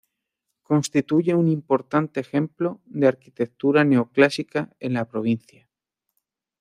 Constituye un importante ejemplo de arquitectura neoclásica en la provincia.